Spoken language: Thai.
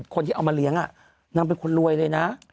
คนที่เอามาเลี้ยงนางเป็นคนรวยเลยนะ